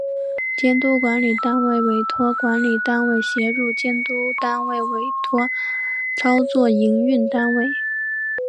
监督管理单位委托管理单位协助监督单位委托操作营运单位